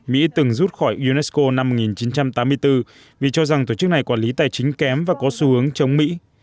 mỹ từng rút khỏi unesco năm một nghìn chín trăm tám mươi bốn vì cho rằng tổ chức này quản lý tài chính kém và có xu hướng chống mỹ